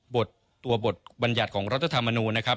ตัวบทบัญญัติของรัฐธรรมนูญนะครับ